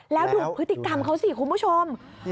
แล้วดูพฤติกรรมเขาสิคุณผู้ชม